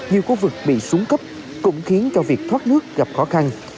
nhiều khu vực bị xuống cấp cũng khiến cho việc thoát nước gặp khó khăn